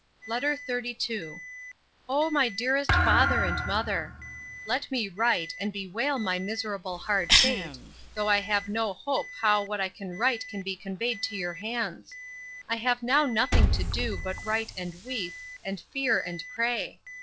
LETTER XXXII O MY DEAREST FATHER AND MOTHER! Let me write, and bewail my miserable hard fate, though I have no hope how what I write can be conveyed to your hands!—I have now nothing to do, but write and weep, and fear and pray!